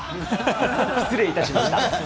失礼いたしました。